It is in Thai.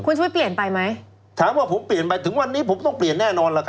ชุวิตเปลี่ยนไปไหมถามว่าผมเปลี่ยนไปถึงวันนี้ผมต้องเปลี่ยนแน่นอนล่ะครับ